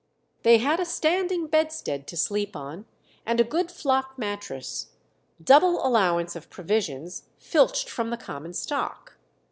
They had a standing bedstead to sleep on, and a good flock mattress; double allowance of provisions, filched from the common stock.